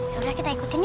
yaudah kita ikutin yuk